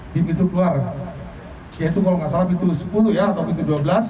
di pintu keluar yaitu kalau nggak salah pintu sepuluh ya atau pintu dua belas